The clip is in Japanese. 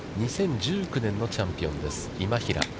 ２０１９年のチャンピオンです、今平。